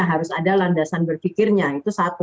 harus ada landasan berpikirnya itu satu